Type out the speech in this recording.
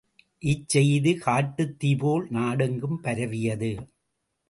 இச் செய்தி காட்டுத்தீ போல நாடெங்கும் பரவியது.